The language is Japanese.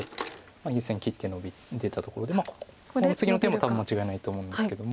実戦切ってノビ出たところでこの次の手も多分間違いないと思うんですけども。